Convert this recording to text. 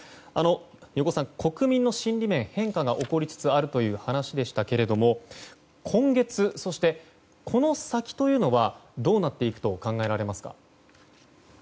余語さん、国民の心理面に変化が起こりつつあるという話でしたけれども今月、そしてこの先というのはどうなっていくと考えられますか。